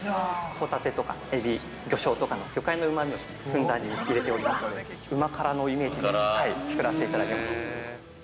◆ホタテとかエビ、魚醤とかの魚介のうまみをふんだんに入れておりますので、うま辛のイメージで作らせていただいてます。